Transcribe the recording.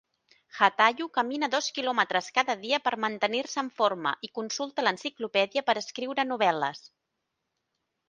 Jatayu camina dos quilòmetres cada dia per mantenir-se en forma, i consulta l'enciclopèdia per escriure novel·les.